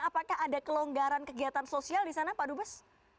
apakah ada kelonggaran kegiatan sosial di sana pak dubes